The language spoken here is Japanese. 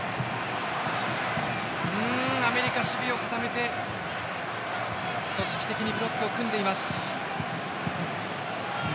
アメリカ、守備を固めて組織的にブロックを組んでいます。